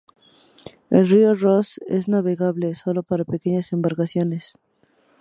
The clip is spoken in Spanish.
El río Ross es navegable solo para pequeñas embarcaciones.